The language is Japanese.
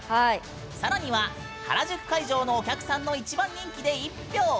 さらには、原宿会場のお客さんの一番人気で１票。